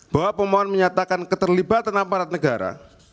bahwa pemohon menyatakan keterlibatan aparat negara